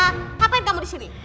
ngapain kamu disini